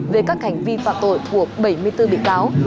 về các hành vi phạm tội của bảy mươi bốn bị cáo